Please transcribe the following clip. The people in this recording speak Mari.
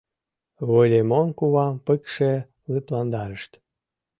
Выльымон кувам пыкше лыпландарышт.